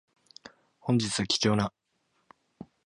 本日は貴重な